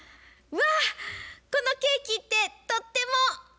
わっこのケーキってとっても。